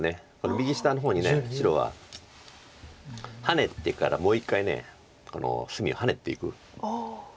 右下の方に白はハネてからもう一回隅をハネていく。